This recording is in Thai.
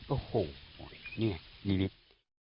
โอ้โฮนี่เนี่ยลีก